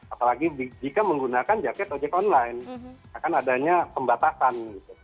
apalagi jika menggunakan jaket ojek online akan adanya pembatasan